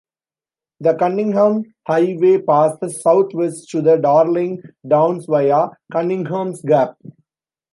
The Cunningham Highway passes southwest to the Darling Downs via Cunninghams Gap.